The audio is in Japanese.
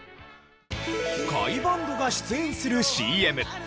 甲斐バンドが出演するＣＭ。